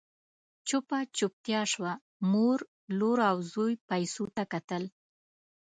چوپه چوپتيا شوه، مور، لور او زوی پيسو ته کتل…